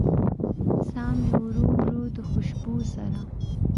ساه مې ورو ورو د شېبو سره